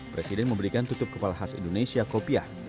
presiden memberikan tutup kepala khas indonesia kopiah